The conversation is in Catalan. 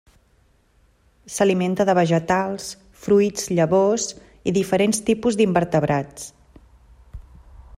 S'alimenta de vegetals, fruits, llavors i diferents tipus d'invertebrats.